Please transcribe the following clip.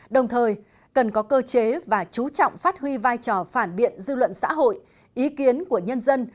đồng thời cần có cơ chế và chú trọng phát huy vai trò phản biện dư luận xã hội ý kiến của nhân dân